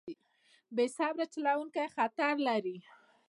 بې صبره چلوونکی خطر لري.